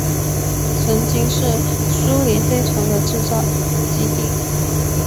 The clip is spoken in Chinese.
曾经是苏联飞船的制造基地。